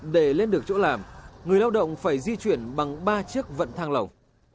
để lên được chỗ làm người lao động phải di chuyển bằng ba chiếc vận thang lồng